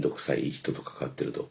人と関わってると。